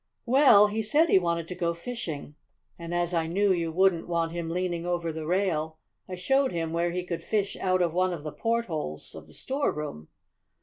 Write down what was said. "Well, he said he wanted to go fishing. And as I knew you wouldn't want him leaning over the rail I showed him where he could fish out of one of the portholes of the storeroom.